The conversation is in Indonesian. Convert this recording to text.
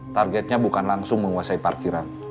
targetnya bukan langsung menguasai parkiran